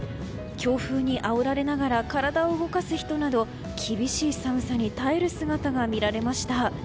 強風にあおられながら体を動かす人など厳しい寒さに耐える姿が見られました。